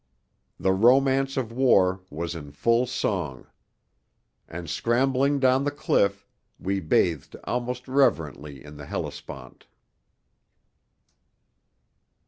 The Romance of War was in full song. And scrambling down the cliff, we bathed almost reverently in the Hellespont.